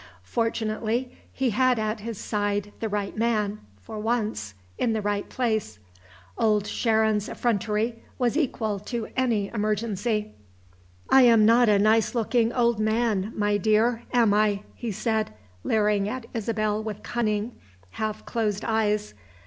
Fortunately, he had at his side the right man (for once) in the right place. Old Sharon's effrontery was equal to any emergency. "I am not a nice looking old man, my dear, am I?" he said, leering at Isabel with cunning, half closed eyes.